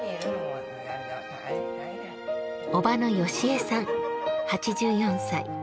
叔母の由江さん８４歳。